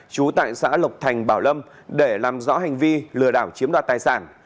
trú tại xã lộc thành bảo lâm để làm rõ hành vi lừa đảo chiếm đoạt một ba tỷ đồng